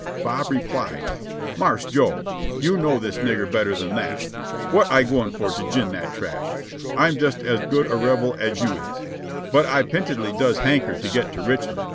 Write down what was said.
Bob replied : "Marse Joe, you know this nigger better than that; what I gwine for to jine that trash? Fm just as good a Rebel as you is, but I pintedly does hanker to get to Richmond.